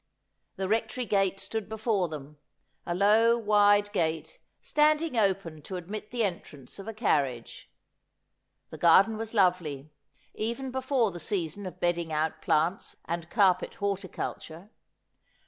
The Rectory gate stood before them, a low wide gate, standing open to admit the entrance of a carriage. The garden was lovely, even before the season of bedding out plants and carpet horticulture.